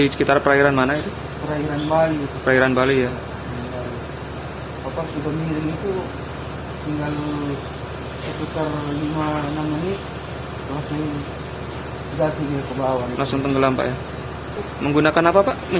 jalan jalan men